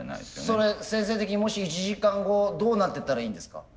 それ先生的にもし１時間後どうなってたらいいんですか？